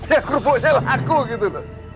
ya kerupuknya laku gitu